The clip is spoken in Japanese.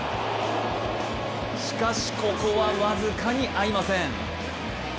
しかしここは僅かに合いません。